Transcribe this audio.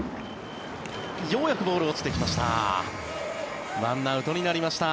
ようやくボールが落ちてきました。